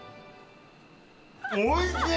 おいしい！